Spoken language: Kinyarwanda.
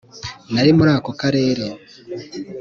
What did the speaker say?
Nari muri ako karere